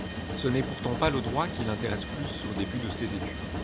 Ce n’est pourtant pas le droit qui l’intéresse plus au début de ses études.